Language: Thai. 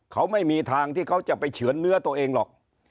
เขาไม่มีทางที่เขาจะไปเฉือนเนื้อตัวเองหรอก